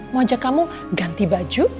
mau ajak kamu ganti baju